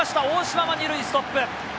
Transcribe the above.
大島は２塁ストップ。